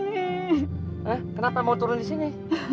kenapa mau turun disini